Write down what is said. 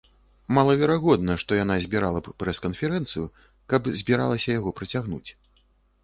Малаверагодна, што яна збірала б прэс-канферэнцыю, каб збіралася яго працягнуць.